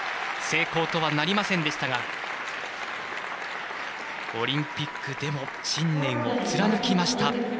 成功とはなりませんでしたがオリンピックでも信念を貫きました。